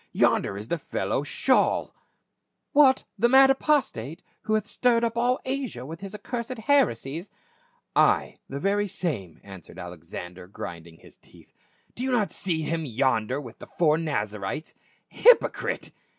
" Yonder is the fellow Shaijl !"" What, the mad apostate, who hath stirred up all Asia with his accursed heresies ?" "Ay, the very same," answered Alexander grind ing his teeth. " Do you not see him yonder with the four Nazarites ? Hypocrite